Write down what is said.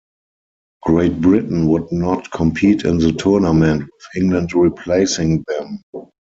Great Britain would not compete in the tournament, with England replacing them.